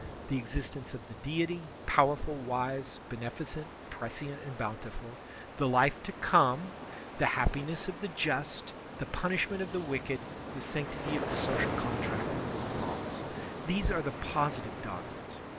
The existence of the Deity, powerful, wise, beneficent, prescient, and bountiful, the life to come, the happiness of the just, the punishment of the wicked, the sanctity of the social contract and of the laws; these are the positive dogmas.